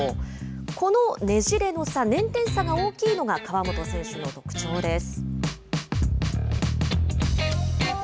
このねじれの差、捻転差が大きいのが、河本選手の特徴です。